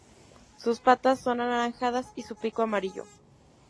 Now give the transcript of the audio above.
Sus patas son anaranjadas y su pico amarillo.